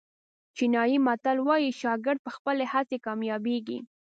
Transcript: چینایي متل وایي شاګرد په خپلې هڅې کامیابېږي.